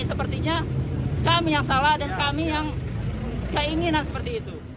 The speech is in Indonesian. sepertinya kami yang salah dan kami yang keinginan seperti itu